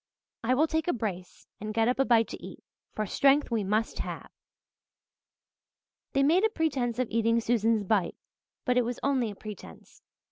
I will take a brace and get up a bite to eat, for strength we must have." They made a pretence of eating Susan's "bite," but it was only a pretence.